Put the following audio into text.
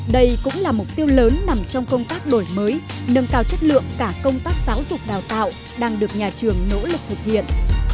đây cũng là mục tiêu lớn nằm trong công tác đổi mới nâng cao chất lượng cả công tác giáo dục đào tạo đang được nhà trường nỗ lực thực hiện